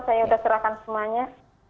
saya udah serahkan semuanya